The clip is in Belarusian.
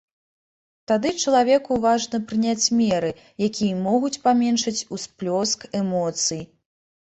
Тады чалавеку важна прыняць меры, якія могуць паменшыць усплёск эмоцый.